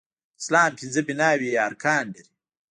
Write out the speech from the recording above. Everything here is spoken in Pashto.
اسلام پنځه بناوې يا ارکان لري